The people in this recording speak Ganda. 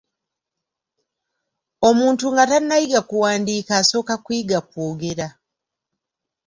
Omuntu nga tannayiga kuwandiika, asooka kuyiga kwogera.